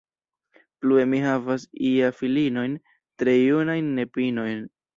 Plue mi havas ja filinojn, tre junajn nepinojn.